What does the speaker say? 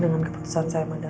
dengan keputusan saya madan